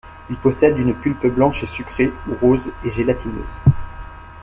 Il possède une pulpe blanche et sucrée ou rose et gélatineuse.